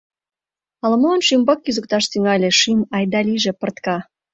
Ала-молан шӱмбак кӱзыкташ тӱҥале, шӱм айда-лийже пыртка.